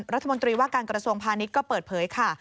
รัฐมนตรีว่าการกระทรวงพาณิชย์ก็เปิดเผยค่ะ